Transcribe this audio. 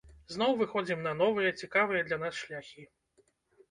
Зноў выходзім на новыя, цікавыя для нас шляхі.